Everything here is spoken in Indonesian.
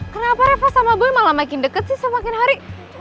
kenapa reva sama gue malah makin dekat sih semakin hari